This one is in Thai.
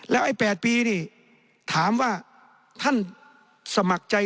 ไอ้๘ปีนี่ถามว่าท่านสมัครใจ